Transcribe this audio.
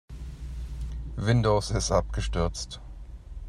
Windows ist abgestürzt.